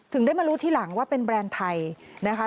ถึงได้มารู้ทีหลังว่าเป็นแบรนด์ไทยนะคะ